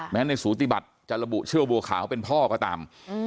ในสูติบัติจะระบุชื่อบัวขาวเป็นพ่อก็ตาม